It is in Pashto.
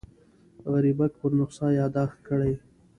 غریبک پر نسخه یاداښت کړی.